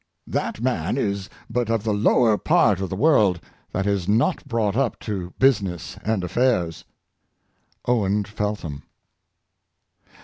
" That man is but of the lower part of the world that is not brought up to business and affairs." — Owen Feltham.